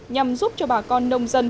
nhằm giúp cho bà con nông dân